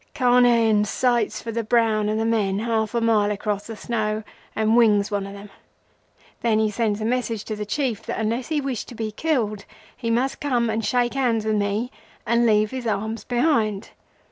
Carnehan sights for the brown of the men half a mile across the snow and wings one of them. Then he sends a message to the Chief that, unless he wished to be killed, he must come and shake hands with me and leave his arms behind.